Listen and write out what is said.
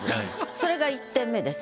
それが１点目です。